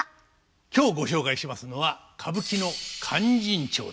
今日ご紹介しますのは歌舞伎の「勧進帳」です。